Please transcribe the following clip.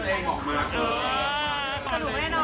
สวัสดีครับคุณผู้ชมครับ